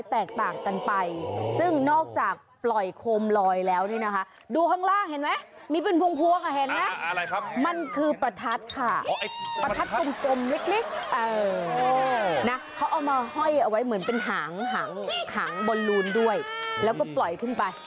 แต่ก็ปล่อยขึ้นไปทั้งหมดมีทั้งหมดสิบลูกนะฮะ